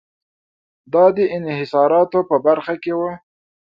دا د انحصاراتو په برخه کې و.